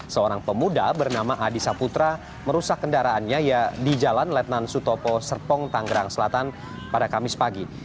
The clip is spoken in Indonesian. seorang pemuda bernama adi saputra merusak kendaraannya di jalan letnan sutopo serpong tanggerang selatan pada kamis pagi